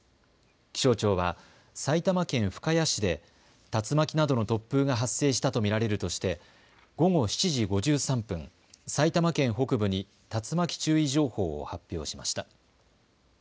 気象庁は埼玉県深谷市で竜巻などの突風が発生したと見られるとして午後７時５３分、埼玉県北部に竜巻注意情報を発表しました。